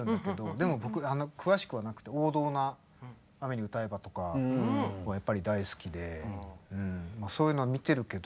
でも僕詳しくはなくて王道な「雨に唄えば」とかはやっぱり大好きでそういうのを見てるけど。